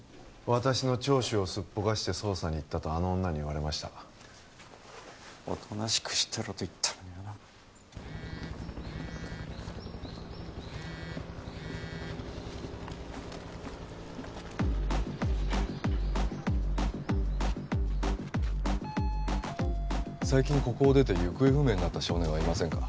私の聴取をすっぽかして捜査に行ったとあの女に言われましたおとなしくしてろと言ったのにな最近ここを出て行方不明になった少年はいませんか？